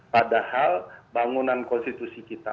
padahal bangunan konstitusi kita